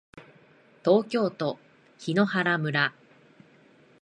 東京都檜原村